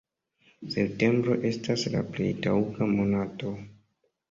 Septembro estas la plej taŭga monato.